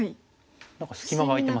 何か隙間が空いてます。